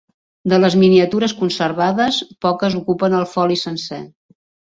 De les miniatures conservades, poques ocupen el foli sencer.